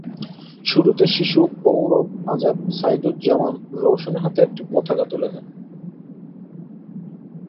শুরুতে শিশু ঔড়ব আজাদ সাইদুজ্জামান রওশনের হাতে একটি পতাকা তুলে দেন।